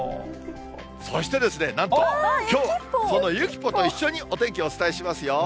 そしてなんと、きょう、そのゆきポと一緒にお天気をお伝えしますよ。